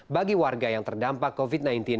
bagi warga yang terdampak covid sembilan belas